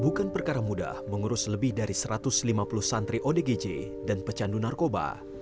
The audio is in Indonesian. bukan perkara mudah mengurus lebih dari satu ratus lima puluh santri odgj dan pecandu narkoba